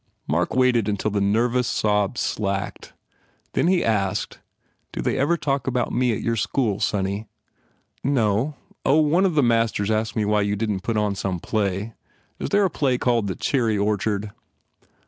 Mark waited until the nervous sobs slacked. Then he asked, "Do they ever talk about me at your school, sonny?" "No. Oh, one of the masters asked me why you didn t put on some play. Is there a play called the Cherry Orchard?"